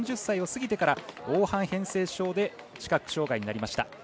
４０歳を過ぎてから黄斑変性症で視覚障がいになりました。